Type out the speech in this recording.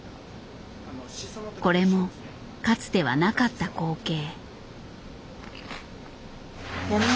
これもかつてはなかった光景。